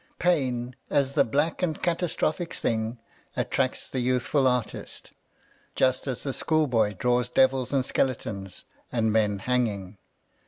Pain, as the black and catastrophic thing, attracts the youthful artist, just as the schoolboy draws devils and skeletons and men hanging.